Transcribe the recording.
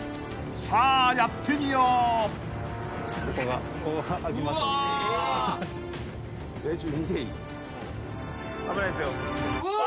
［さあやってみよう］うお！